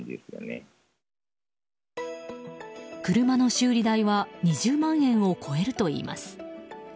車の修理代は２０万円を超えるといいます。